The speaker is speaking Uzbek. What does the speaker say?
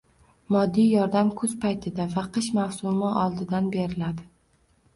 moddiy yordam kuz paytida va qish mavsumi oldidan beriladi